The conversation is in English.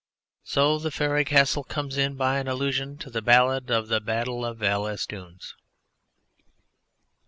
So the Faery Castle comes in by an illusion in the Ballad of the Battle of Val es Dunes.